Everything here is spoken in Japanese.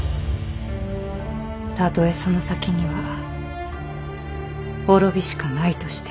たとえその先には滅びしかないとしても。